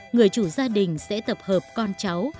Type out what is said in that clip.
người chủ gia đình sẽ tập hợp con cháu